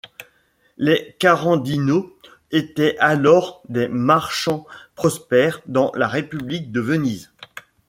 Les Carandino étaient alors des marchands prospères dans la République de Venise.